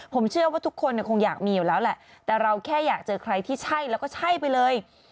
ผมเชื่อว่าทุกคนคงอยากมีอยู่แล้วแหละแต่เราแค่อยากเจอใครที่ใช่แล้วก็ใช่ไปเลย